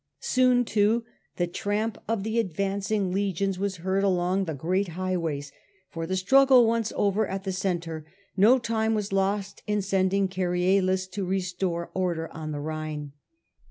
Soon, too, the tramp of the advancing legions was heard along tJie great highw'ays, for, the struggle once over at the centre, no time was lost in sending Cerealis to restore order on the Rhine.